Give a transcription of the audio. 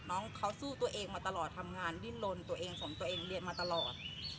น้องเขาสู้ตัวเองมาตลอดทำงานดิ้นลนตัวเองส่งตัวเองเรียนมาตลอด